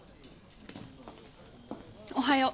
おはよう。